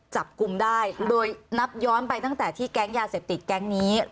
จับกลุ่มได้โดยนับย้อนไปตั้งแต่ที่แก๊งยาเสพติดแก๊งนี้